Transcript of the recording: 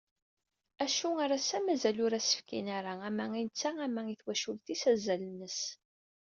Acku ar ass-a mazal ur as-fkin ara, ama i netta ama i twacult-is, azal-nsen.